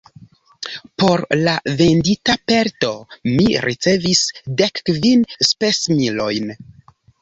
Por la vendita pelto mi ricevis dek kvin spesmilojn.